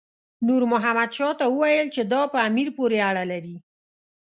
نور محمد شاه ته وویل چې دا په امیر پورې اړه لري.